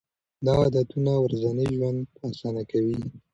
دا عادتونه ورځنی ژوند اسانه کوي.